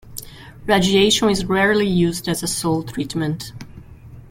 Radiation is rarely used as a sole treatment.